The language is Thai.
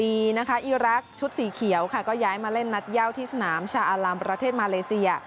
วันนี้นะคะอีรักษ์ชุดสีเขียวค่ะก็ย้ายมาเล่นนัดเย่าที่สนามชาอาลัมประเทศมาเลเซีย